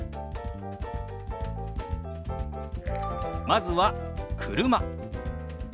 まずは「車」。